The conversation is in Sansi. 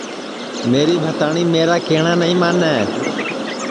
میری بھتاٹؔی میرا کیہٹؔا نائی مانے